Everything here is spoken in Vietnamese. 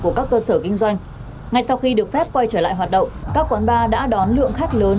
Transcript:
của các cơ sở kinh doanh ngay sau khi được phép quay trở lại hoạt động các quán bar đã đón lượng khách lớn